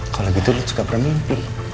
kalau gitu dia juga bermimpi